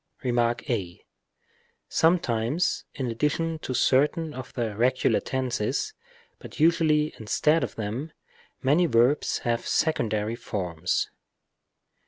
Rem. a. Sometimes in addition to certain of the regular tenses, but usually instead of them, many verbs have secondary forms.